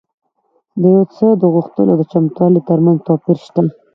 د يو څه د غوښتلو او چمتووالي ترمنځ توپير شته.